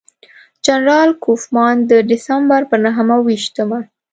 جنرال کوفمان د ډسمبر پر نهه ویشتمه.